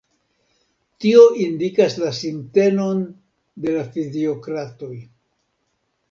Tio indikas la sintenon de la fiziokratoj.